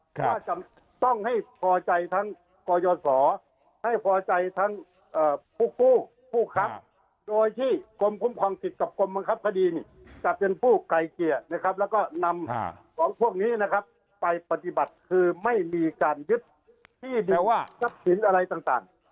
ว่าจะต้องให้พอใจทั้งกรยศให้พอใจทั้งผู้กู้ผู้คับโดยที่กรมคุ้มครองสิทธิ์กับกรมบังคับคดีเนี่ยจะเป็นผู้ไกลเกลี่ยนะครับแล้วก็นำของพวกนี้นะครับไปปฏิบัติคือไม่มีการยึดที่เดียวว่าทรัพย์สินอะไรต่าง